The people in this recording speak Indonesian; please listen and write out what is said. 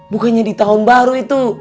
bukannya di tahun baru itu